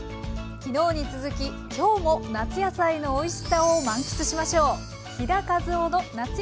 昨日に続き今日も夏野菜のおいしさを満喫しましょう。